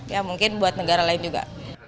ya mungkin buat negara lain juga